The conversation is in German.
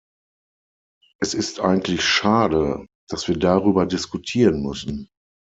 Es ist eigentlich schade, dass wir darüber diskutieren müssen.